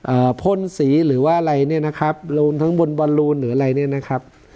พ่นสีหรือว่าอะไรเนี่ยนะครับรูนทั้งบนบอลลูนหรืออะไรเนี้ยนะครับ